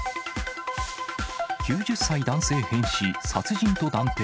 ９０歳男性変死、殺人と断定。